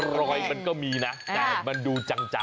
รอยมันก็มีนะแต่มันดูจัง